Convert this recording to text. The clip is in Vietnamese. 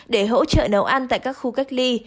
để hỗ trợ nấu ăn tại các khu cách ly